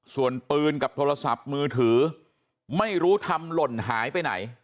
ส่วนปืนกับโทรศัพท์มือถือไม่รู้ทำหล่นหายไปไหน